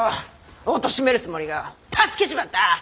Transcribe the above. おとしめるつもりが助けちまった！